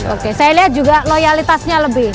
oke saya lihat juga loyalitasnya lebih